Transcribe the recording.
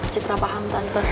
citra paham tante